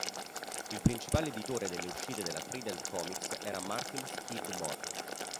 Il principale editore delle uscite della Trident Comics era Martin Skidmore.